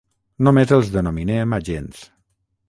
Només els denominem agents.